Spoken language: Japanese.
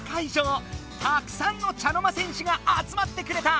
たくさんの茶の間戦士があつまってくれた！